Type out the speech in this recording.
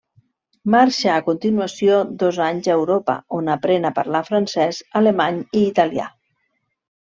Marxa a continuació dos anys a Europa, on aprèn a parlar francès, alemany i italià.